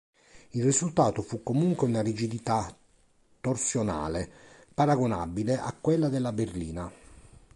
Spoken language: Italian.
Il risultato fu comunque una rigidità torsionale paragonabile a quella della berlina.